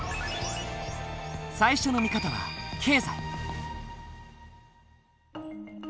最初の見方は経済。